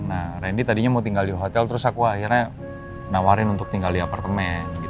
nah randy tadinya mau tinggal di hotel terus aku akhirnya nawarin untuk tinggal di apartemen